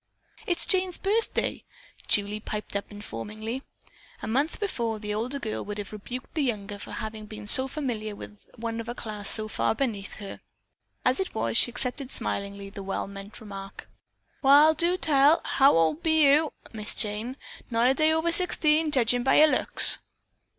"It's Jane's birthday," Julie piped up informingly. A month before the older girl would have rebuked the younger for having been so familiar with one of a class far beneath her. As it was, she accepted smilingly the well meant remark. "Wall, do tell! How old be yo', Miss Jane? Not a day over sixteen, jedgin' by yer looks."